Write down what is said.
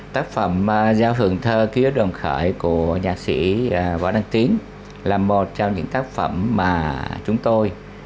tác phẩm giao hưởng thơ ký ức đồng khởi của nhạc sĩ võ đăng tín là một trong những tác phẩm mà chúng tôi